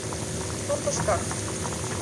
Суртышкак...